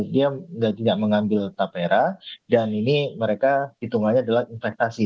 dia tidak mengambil tapera dan ini mereka hitungannya adalah investasi